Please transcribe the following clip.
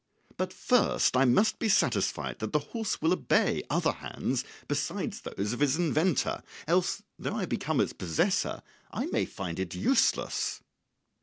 But first I must be satisfied that the horse will obey other hands besides those of its inventor, else, though I become its possessor, I may find it useless."